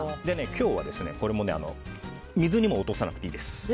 今日は水にも落とさなくていいです。